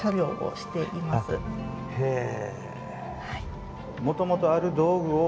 へえ。